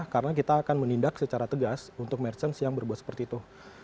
karena kita akan menindak secara tegas untuk merchant yang berbuat seperti itu